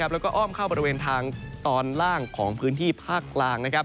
แล้วก็อ้อมเข้าบริเวณทางตอนล่างของพื้นที่ภาคกลาง